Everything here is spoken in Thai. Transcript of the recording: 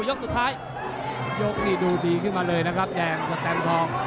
ยกสุดท้ายยกนี่ดูดีขึ้นมาเลยนะครับแดงสแตมทอง